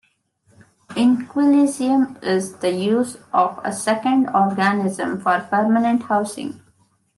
Inquilinism is the use of a second organism for permanent housing.